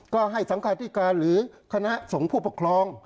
ก็ให้สังคาธิการหรือคณะสงฆ์ผู้ปกครอง